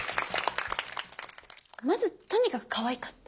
まずとにかくかわいかった。